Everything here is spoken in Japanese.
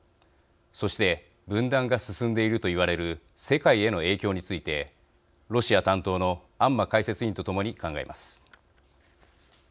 そして分断が進んでいると言われる世界への影響についてロシア担当の安間解説委員と共に考えます。